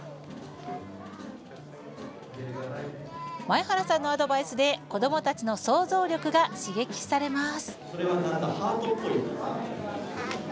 前原さんのアドバイスで子どもたちの創造力が刺激されます。